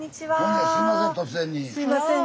すいません